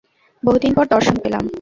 বহুদিন পর দর্শন পেলাম।